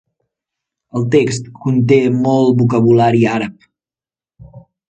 El text conté molt vocabulari àrab.